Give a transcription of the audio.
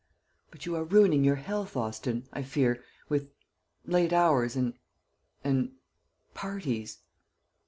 "But you are ruining your health. Austin, I fear, with late hours, and and parties."